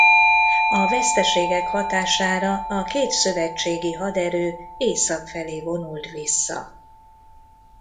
A veszteségek hatására a két szövetségi haderő észak felé vonult vissza.